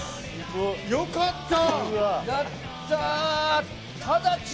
よかった！